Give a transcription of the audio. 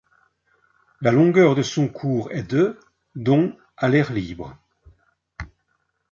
La longueur de son cours est de dont à l’air libre.